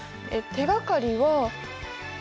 手がかりは。